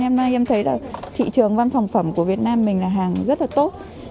em thấy là thị trường văn phòng phẩm của việt nam mình là hàng rất là tốt